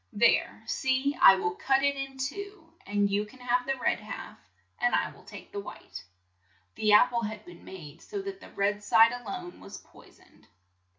"There, see, I will cut it in two, and you can have the red LITTLE SNOWDROP 73 halt and I will take the white." The ap ple had been made so that the red side a lone was poi soned.